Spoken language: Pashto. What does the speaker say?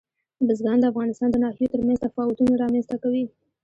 بزګان د افغانستان د ناحیو ترمنځ تفاوتونه رامنځ ته کوي.